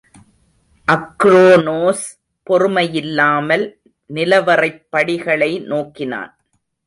அக்ரோனோஸ் பொறுமையில்லாமல் நிலவறைப் படிகளை நோக்கினான்.